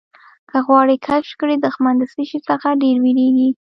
که غواړې کشف کړې دښمن د څه شي څخه ډېر وېرېږي.